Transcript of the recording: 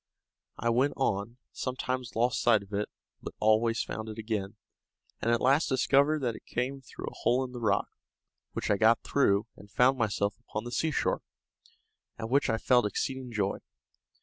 I went on, sometimes lost sight of it, but always found it again, and at last discovered that it came through a hole in the rock, which I got through, and found myself upon the seashore, at which I felt exceeding joy.